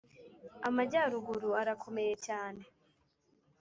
Amajyaruguru arakomeye cyane